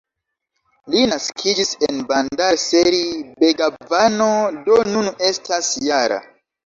Li naskiĝis en Bandar-Seri-Begavano, do nun estas -jara.